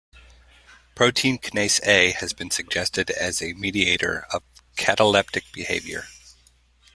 Protein kinase A has been suggested as a mediator of cataleptic behavior.